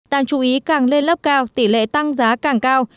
đang chú ý càng lên lớp cao tỷ lệ tăng giá càng cao